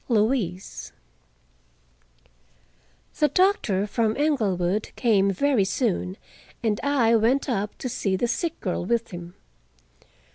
LOUISE The doctor from Englewood came very soon, and I went up to see the sick girl with him.